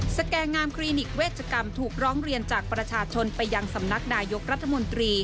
แก่งามคลินิกเวชกรรมถูกร้องเรียนจากประชาชนไปยังสำนักนายกรัฐมนตรี